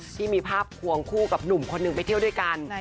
ที่มีภาพควงคู่กับหนุ่มคนหนึ่งไปเที่ยวด้วยกัน